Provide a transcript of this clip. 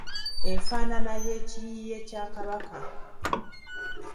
Enfaanana y’ekiyiiye kya Kabaka.